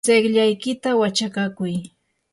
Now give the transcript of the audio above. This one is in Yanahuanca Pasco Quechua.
tsiqllaykita wachakakuy.